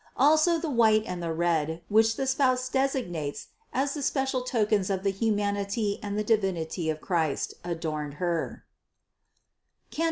Also the white and the red, which the Spouse designates as the special tokens of the hu manity and the Divinity of the Son, adorned Her (Cant.